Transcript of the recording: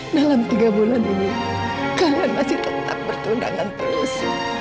dalam tiga bulan ini kalian masih tetap bertundangan terus